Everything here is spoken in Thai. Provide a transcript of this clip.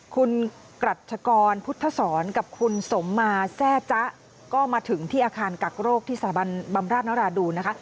คุณกรัชกรพุทธศรกับคุณสมมาแซ่จ๊ะก็มาถึงที่อาคารกักโรคที่สถาบันบำราชนราดูนนะคะ